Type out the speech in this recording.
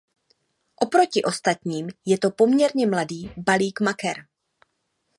Oproti ostatním je to poměrně mladý balík maker.